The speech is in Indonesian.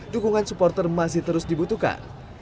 dukungan supporter masih terus dibutuhkan